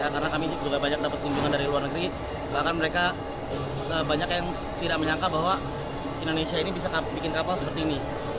karena kami juga banyak dapat kunjungan dari luar negeri bahkan mereka banyak yang tidak menyangka bahwa indonesia ini bisa bikin kapal seperti ini